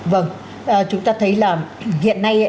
vâng chúng ta thấy là hiện nay